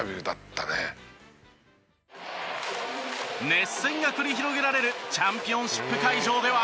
熱戦が繰り広げられるチャンピオンシップ会場では。